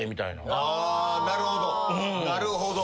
あなるほど。